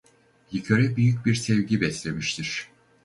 Liköre büyük bir sevgi beslemiştir.